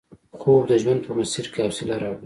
خوب د ژوند په مسیر کې حوصله راوړي